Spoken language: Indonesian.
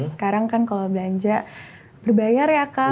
sekarang kan kalau belanja berbayar ya kak